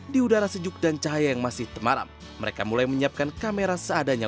di udara sejuk dan cahaya yang masih temaram mereka mulai menyiapkan kamera seadanya